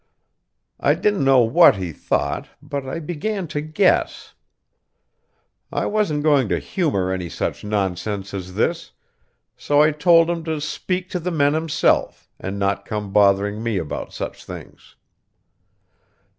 I didn't know what he thought, but I began to guess. I wasn't going to humour any such nonsense as that, so I told him to speak to the men himself, and not come bothering me about such things.